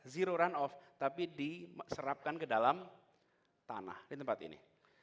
zero run off tapi diserapkan ke dalam tanah di tempat ini